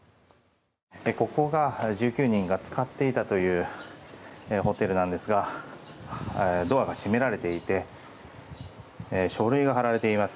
ここが１９人が使っていたというホテルなんですがドアが閉められていて書類が貼られています。